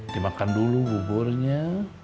dimakan dulu buburnya